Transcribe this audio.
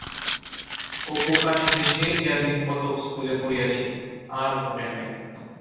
অপু কাশীতে সেই যা দিনকতক স্কুলে পড়িয়াছিল, আর ঘটে নাই।